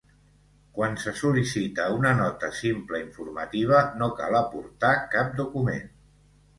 Quan se sol·licita una Nota simple informativa no cal aportar cap document.